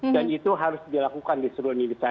dan itu harus dilakukan di seluruh indonesia